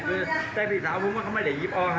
ใจผิดดาวผมเหมือนเขาไม่ได้ยิบออก